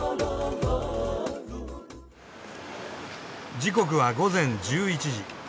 時刻は午前１１時。